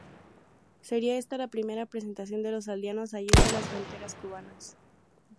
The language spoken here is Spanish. Sería esta, la primera presentación de Los Aldeanos allende las fronteras cubanas.